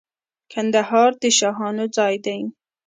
کندهار د شاهانو ځای دی.